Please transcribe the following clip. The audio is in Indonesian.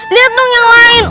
lihat dong yang lain